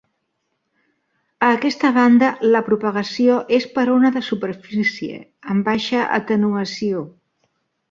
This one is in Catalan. A aquesta banda la propagació és per ona de superfície, amb baixa atenuació.